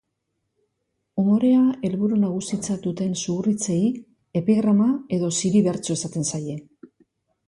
Umorea helburu nagusitzat duten zuhur-hitzei epigrama edo ziri-bertso esaten zaie.